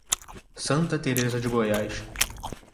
Santa Tereza de Goiás